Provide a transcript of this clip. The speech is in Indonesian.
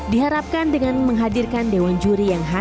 diharapkan dengan menghadirkan dewan juri yang hati hati